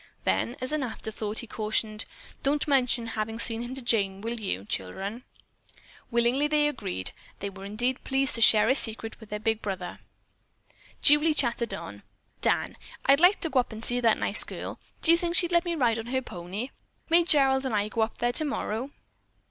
Then, as an afterthought, he cautioned, "Don't mention having seen him to Jane, will you, children?" Willingly they agreed. They were indeed pleased to share a secret with their big brother. Julie chattered on, "Dan, I'd like to go up and see that nice girl. Do you think she'd let me ride on her pony? May Gerald and I go up there tomorrow?"